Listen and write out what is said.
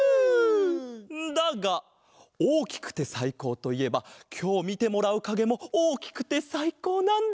だがおおきくてさいこうといえばきょうみてもらうかげもおおきくてさいこうなんだ！